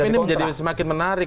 tapi ini menjadi semakin menarik